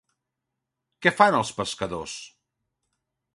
Què fan els pescadors?